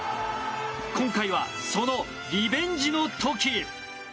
今回は、そのリベンジの時。